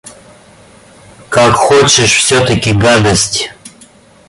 Как хочешь, всё- таки гадость!